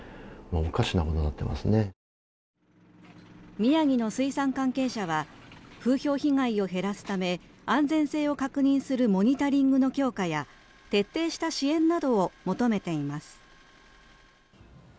宮城の水産関係者は風評被害を減らすため安全性を確認するモニタリングの強化や徹底した支援などを求めています。